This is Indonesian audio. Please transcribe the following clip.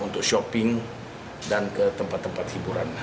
untuk shopping dan ke tempat tempat hiburan